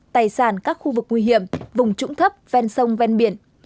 tài sản các khu vực nguy hiểm vùng trũng thấp ven sông ven biển